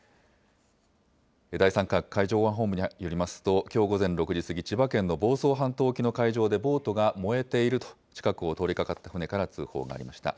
第３管区海上保安本部によりますと、きょう午前６時過ぎ、千葉県の房総半島沖の海上でボートが燃えていると、近くを通りかかった船から通報がありました。